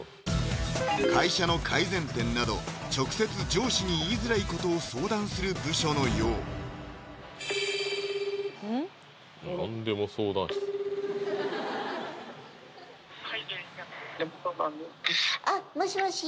会社の改善点など直接上司に言いづらいことを相談する部署のようあっもしもし？